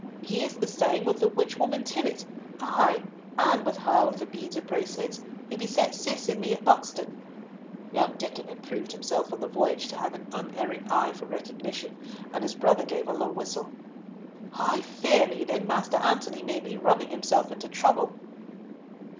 He is the same with the witch woman Tibbott, ay, and with her with the beads and bracelets, who beset Cis and me at Buxton." Young Diccon had proved himself on the voyage to have an unerring eye for recognition, and his brother gave a low whistle. "I fear me then Master Antony may be running himself into trouble."